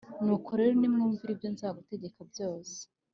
Nuko rero niwumvira ibyo nzagutegeka byose